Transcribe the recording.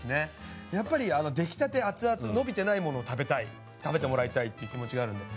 やっぱりできたて熱々伸びてないものを食べたい食べてもらいたいっていう気持ちがあるんで。